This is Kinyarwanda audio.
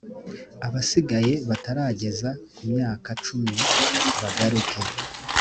abasigaye batarageza ku myaka cumi bagaruke